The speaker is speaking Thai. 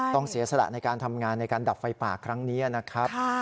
เสียสละในการทำงานในการดับไฟป่าครั้งนี้นะครับ